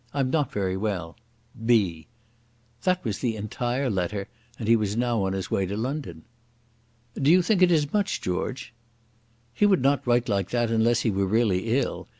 I'm not very well. B." That was the entire letter, and he was now on his way to London. "Do you think it is much, George?" "He would not write like that unless he were really ill.